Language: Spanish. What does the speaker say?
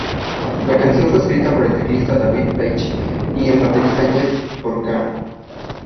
La canción fue escrita por el teclista David Paich y el baterista Jeff Porcaro.